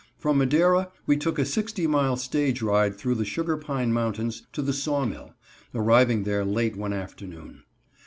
From Madera we took a sixty mile stage ride through the Sugar Pine Mountains to the saw mill, arriving there late one afternoon.